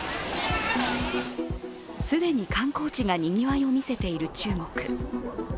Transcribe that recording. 既に観光地がにぎわいを見せている中国。